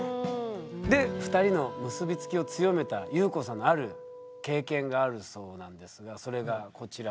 で２人の結び付きを強めたゆうこさんのある経験があるそうなんですがそれがこちら。